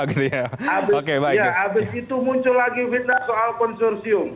ya habis itu muncul lagi fitnah soal konsursium